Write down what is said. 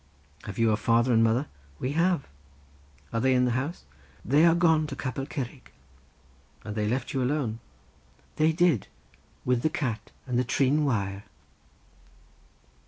"Have you a father and mother?" "We have." "Are they in the house?" "They have gone to Capel Curig." "And they left you alone?" "They did. With the cat and the trin wire."